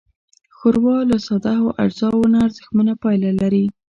ښوروا له سادهو اجزاوو نه ارزښتمنه پايله لري.